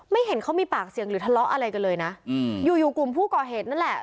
เห็นเขามีปากเสียงหรือทะเลาะอะไรกันเลยนะอืมอยู่อยู่กลุ่มผู้ก่อเหตุนั่นแหละ